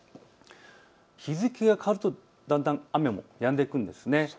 日付が変わるとだんだん雨もやんでくるんです。